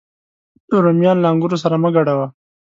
رومیان له انګورو سره مه ګډوه